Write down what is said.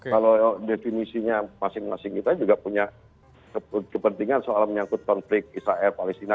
kalau definisinya masing masing kita juga punya kepentingan soal menyangkut konflik israel palestina